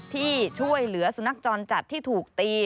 ที่ช่วยเหลือสุนัขจรจัดที่ถูกตี